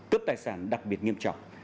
cướp tài sản đặc biệt nghiêm trọng